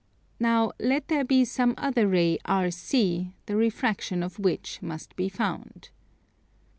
Now let there be some other ray RC, the refraction of which must be found.